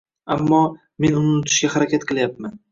Ammo, men uni unutishga harakat qilyapman.